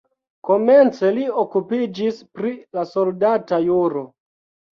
Komence li okupiĝis pri la soldata juro.